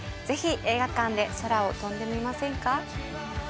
ぜひ映画館で空を飛んでみませんか？